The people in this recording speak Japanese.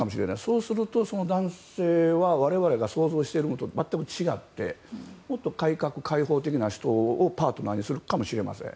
そうすると、その男性は我々が想像しているのと全く違ってもっと開放的な人をパートナーにするかもしれません。